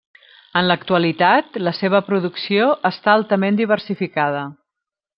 En l'actualitat, la seva producció està altament diversificada.